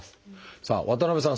さあ渡辺さん